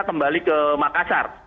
kemudian mereka kembali ke makassar